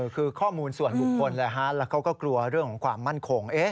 คือข้อมูลส่วนบุคคลแล้วเขาก็กลัวเรื่องของความมั่นคง